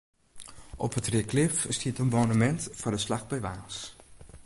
Op it Reaklif stiet in monumint foar de slach by Warns.